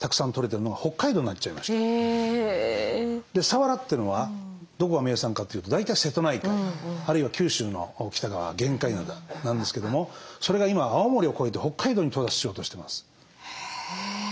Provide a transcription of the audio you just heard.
さわらというのはどこが名産かというと大体瀬戸内海あるいは九州の北側玄界灘なんですけどもそれが今青森を越えて北海道に到達しようとしてます。